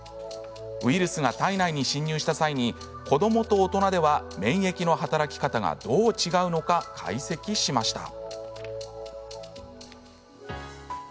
ウイルスが体内に侵入した際に子どもと大人では免疫の働き方がどう違うのか解析しました。